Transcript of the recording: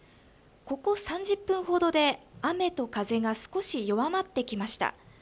ここ３０分ほどで雨と風が少し弱まってきました。